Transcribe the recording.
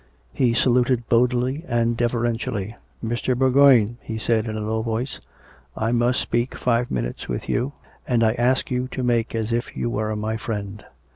He saluted boldly and deferentially. " Mr. Bourgoign," he said in a low voice, " I must speak five minutes with you. And I ask you to make as if you were my friend."